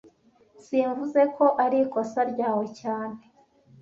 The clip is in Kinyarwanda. Simvuze ko arikosa ryawe cyane